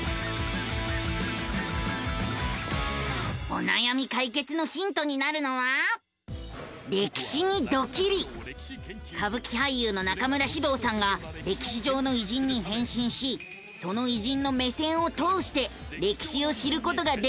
おなやみ解決のヒントになるのは歌舞伎俳優の中村獅童さんが歴史上の偉人に変身しその偉人の目線を通して歴史を知ることができる番組なのさ！